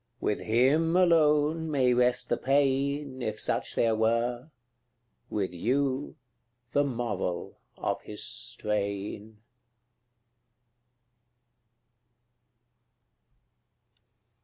with HIM alone may rest the pain, If such there were with YOU, the moral of his strain.